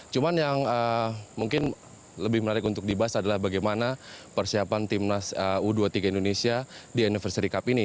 cuma yang mungkin lebih menarik untuk dibahas adalah bagaimana persiapan timnas u dua puluh tiga indonesia di anniversary cup ini